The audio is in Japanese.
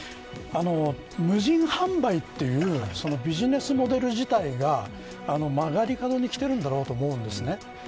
無人販売というビジネスモデル自体が曲がり角にきていると思うんです。